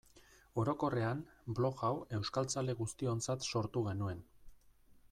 Orokorrean, blog hau euskaltzale guztiontzat sortu genuen.